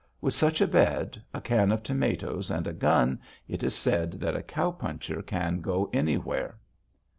With such a bed, a can of tomatoes, and a gun, it is said that a cow puncher can go anywhere.